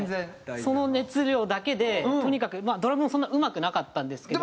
その熱量だけでとにかくドラムもそんなうまくなかったんですけど。